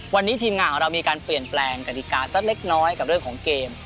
วันนี้ทีมงานของเรามีการเปลี่ยนแปลงกฎิกาสักเล็กน้อยกับเรื่องของเกม